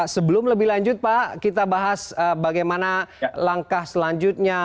sebelum lebih lanjut pak kita bahas bagaimana langkah selanjutnya